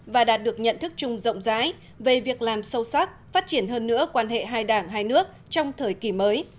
và đạt được nhận thức chung rộng rãi về việc làm sâu sắc phát triển hơn nữa quan hệ hai đảng hai nước trong thời kỳ mới